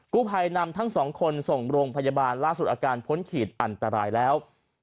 ผู้ภัยนำทั้งสองคนส่งโรงพยาบาลล่าสุดอาการพ้นขีดอันตรายแล้ว